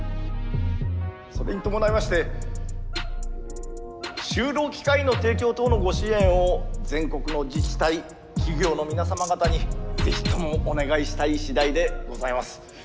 それに伴いまして就労機会の提供等のご支援を全国の自治体企業の皆様方にぜひともお願いしたい次第でございます。